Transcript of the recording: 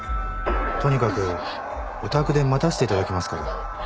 とにかくお宅で待たせていただきますから。